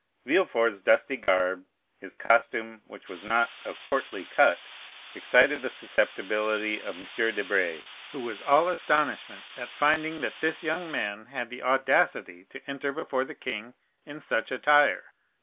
Villefort's dusty garb, his costume, which was not of courtly cut, excited the susceptibility of M. de Brezé, who was all astonishment at finding that this young man had the audacity to enter before the king in such attire.